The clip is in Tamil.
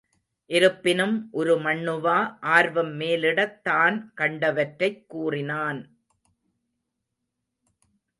இருப்பினும் உருமண்ணுவா ஆர்வம் மேலிடத் தான் கண்டவற்றைக் கூறினான்.